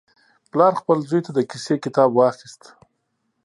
پلار خپل زوی ته د کیسې کتاب واخیست.